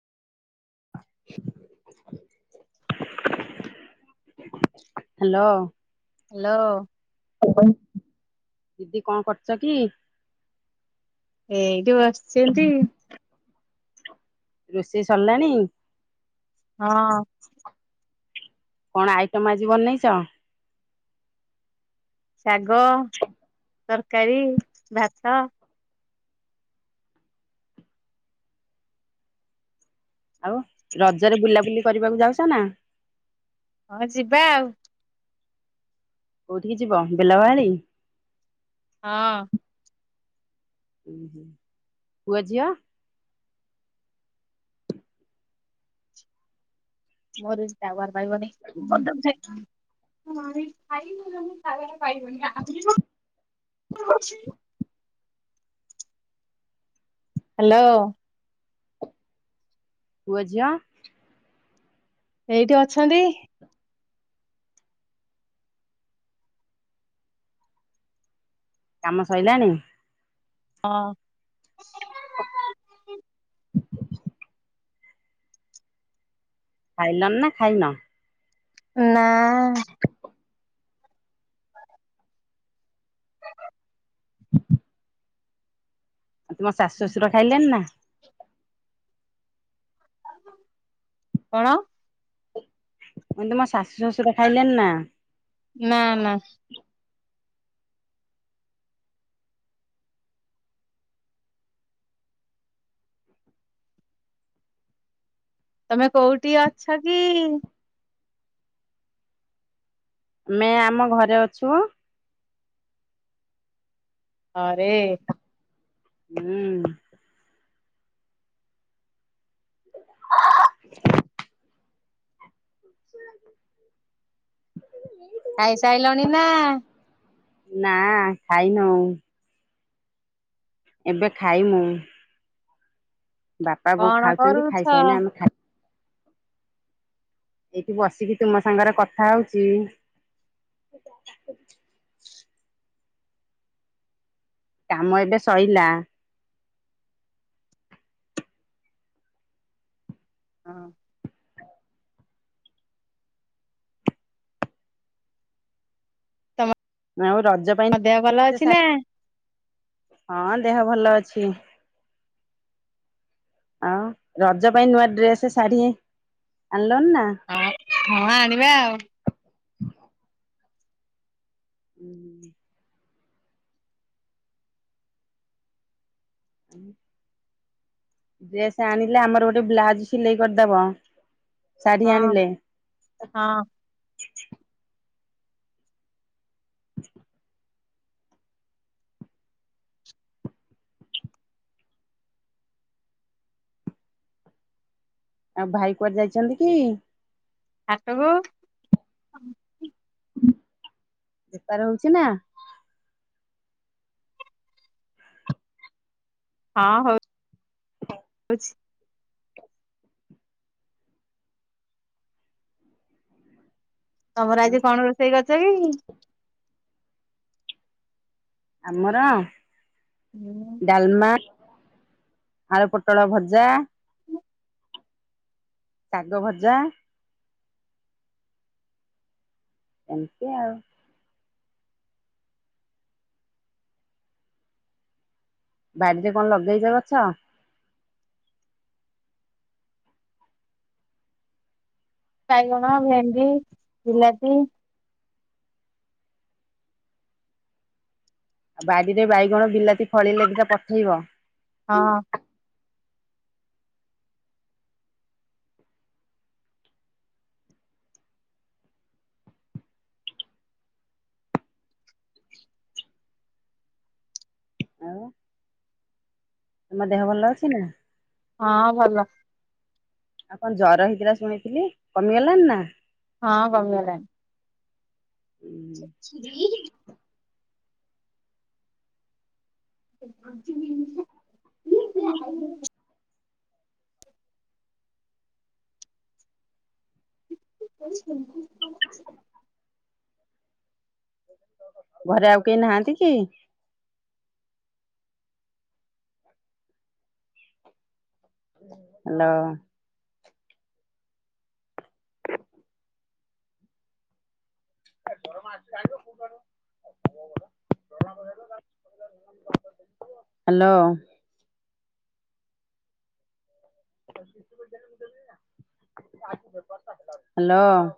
Hello. Hello. ଦିଦି କଣ କରୁଛ କି? ଏଇଠି ବସିଛନ୍ତି। ରୋଷେଇ ସରିଲାଣି? ହଁ। କଣ ଆଇଟମ ଆଜି ବନେଇଚ? ଶାଗ ତରକାରୀ ଭାତ। ଆଉ ରଜରେ ବୁଲାବୁଲି କରିବାକୁ ଯାଉଚ ନା? ହଁ ଯିବା ଆଉ। କୋଉଠିକି ଯିବ ବେଲବାହାଲି। ହଁ। ପୁଅ ଝିଅ। ମୋର ଏଠି ଟାୱର ପାଇବନି ପଦା କୁ ଯାଏ। ଖାଇ [unintelligible] ଛି। ହ୍ୟାଲୋ। ପୁଅ ଝିଅ। ଏଇଠି ଅଛନ୍ତି। କାମ ସଇଲାଣି? ହଁ। ଖାଇଲଣି ନା ଖାଇନ। ନା। ତୁମ ଶାଶୁ ଶଶୁର ଖାଇଲେଣି ନା। କଣ? ମୁଁ କହିଲି ତୁମ ଶାଶୁ ଶାଶୁର ଖାଇଲେଣି ନା। ନା ନା ତମେ କୋଉଠି ଅଛ କି? ଆମେ ଆମ ଘରେ ଅଛୁ। ଘରେ। ହୁଁ। ହା ହା। [unintelligible] ଖାଇସାଇଲଣି ନା। ନା ଖାଇନୁ। ଏବେ ଖାଇ ମୁୁଁ। ବାପା ବୋଉ କଣ ଖାଉଛନ୍ତି କରୁଛ? ଖାଇସାଇନେ ଆମେ ଖାଇ ଏଇଠି ବସିକି ତୁମ ସାଙ୍ଗରେ କଥା ହଉଚି। [unintelligible] କାମ ଏବେ ସଇଲା। ହଁ। ତମ ଆଉ ରଜ ପାଇଁ ଦେହ ଭଲ ଅଛି ନା? [unintelligible] ହଁ ଦେହ ଭଲ ଅଛି। ଆଉ ରଜ ପାଇଁ ନୂଆ ଡ୍ରେସ ଶାଢ଼ୀ ଆଉ ହଁ ଆଣିବା ଆଉ। ହୁଁ। ହୁଁ। ଡ୍ରେସ ଆଣିଲେ ଆମର ଗୋଟେ ବ୍ଲାଉଜ ସିଲେଇ କରିଦବ। ଶାଢ଼ୀ ହଁ ଆଣିଲେ। ହଁ [inaudible] ଆଉ ଭାଇ କୁଆଡ଼େ ଯାଇଛନ୍ତି କି? ହାଟକୁ। ବେପାର ହଉଛି ନା। ହଁ ହଉ ହଉଚି। ତମର ଆଜି କଣ ରୋଷେଇ କରିଛ କି? ଆମର ହୁଁ ଡ଼ାଲମା। ଆଳୁ ପୋଟଳ ଭଜା। ଶାଗ ଭଜା। ଏମିତି ଆଉ। ବାଡ଼ିରେ କଣ ଲଗେଇଚ ଗଛ? ବାଇଗଣ, ଭେଣ୍ଡି, ବିଲାତି ଆଉ ବାଡିରେ ବାଇଗଣ ବିଲାତି ଫଳିଲେ ଦିଟା ପଠେଇବ। ହଁ। ଆଉ। ତମ ଦେହ ଭଲ ଅଛି ନା? ହଁ ଭଲ। ଆଉ କଣ ଜର ହେଇଥିଲା ଶୁଣିଥିଲି କମିଗଲାଣି ନା? ହଁ କମିଗଲାଣୀ। ସି। ଆଜି ହାରିଗଲେ। ଟୋଟାଲ। ଘରେ ଆଉ କେହି ନାହାନ୍ତି କି? ହ୍ୟାଲୋ। ଆ ଦରମା ଆସ ଆ । ହ୍ୟାଲୋ। ହ୍ୟାଲୋ।